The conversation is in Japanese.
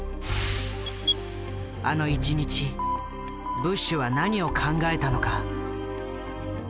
あの一日ブッシュは何を考えたのか？